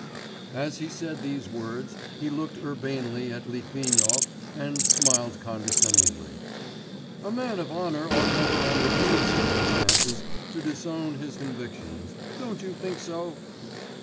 As he said these words he looked urbanely at Litvinov and smiled condescendingly. 'A man of honour ought never under any circumstances to disown his convictions. Don't you think so?